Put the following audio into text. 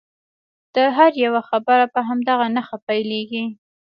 د هر یوه خبره په همدغه نښه پیلیږي.